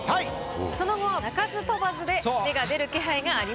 その後は鳴かず飛ばずで芽が出る気配がありません。